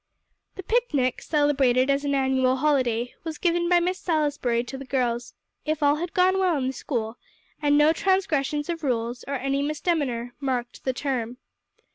The picnic, celebrated as an annual holiday, was given by Miss Salisbury to the girls, if all had gone well in the school, and no transgressions of rules, or any misdemeanor, marred the term.